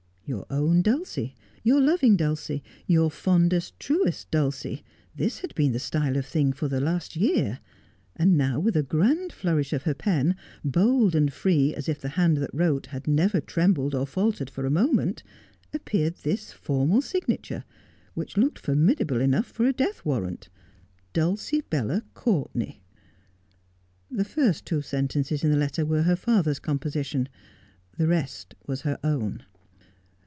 'Your own Dulcie,' 'Your loving Dulcie,' 'Your fondest, truest Dulcie. 1 This had been the style of thing for the last year — and now, with a grand flourish of her pen, bold raid free as if the hand that wrote had never trembled or faltered for a moment, appeared this formal signature, which looked formidable enough for a death warrant —' Dr/LCIBELLA COURTENAT.' The first two sentences in the letter were her father's composi tion. The rest was her own.